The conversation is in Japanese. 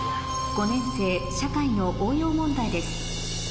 ５年生社会の応用問題です